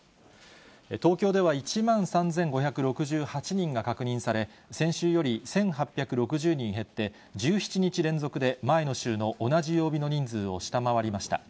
東京では１万３５６８人が確認され、先週より１８６０人減って、１７日連続で前の週の同じ曜日の人数を下回りました。